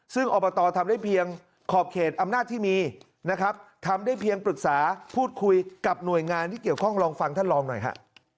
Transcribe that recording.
ซึ่งอบตทำได้เพียงขอบเขตอำนาจที่มีนะครับทำได้เพียงปรึกษาพูดคุยกับหน่วยงานที่เกี่ยวข้องลองฟังท่านรองหน่อยฮะ